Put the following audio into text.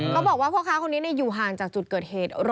เขาบอกว่าพ่อค้าคนนี้อยู่ห่างจากจุดเกิดเหตุ